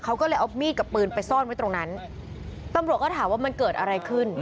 เขาก็เลยเอามีดกับปืนไปซ่อนไว้ตรงนั้นตำรวจก็ถามว่ามันเกิดอะไรขึ้น